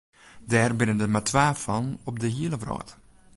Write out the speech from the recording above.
Dêr binne der mar twa fan op de hiele wrâld.